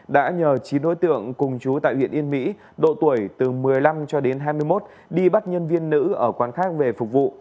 đã nhờ chín đối tượng cùng chú tại huyện yên mỹ độ tuổi từ một mươi năm cho đến hai mươi một đi bắt nhân viên nữ ở quán khác về phục vụ